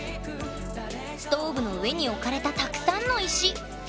ストーブの上に置かれたたくさんの石。